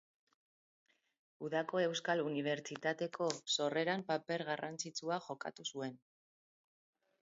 Udako Euskal Unibertsitateko sorreran paper garrantzitsua jokatu zuen.